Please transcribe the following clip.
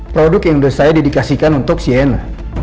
produk yang udah saya dedikasikan untuk sienna